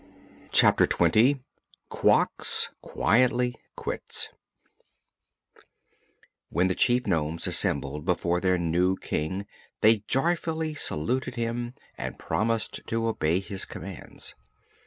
Chapter Twenty Quox Quietly Quits When the chief nomes assembled before their new King they joyfully saluted him and promised to obey his commands.